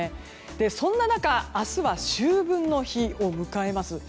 そんな中明日は秋分の日を迎えます。